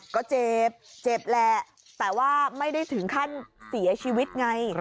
ก็เจ็บเจ็บแหละแต่ว่าไม่ได้ถึงขั้นเสียชีวิตไง